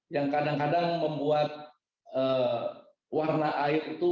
yang kadang kadang membuat warna air itu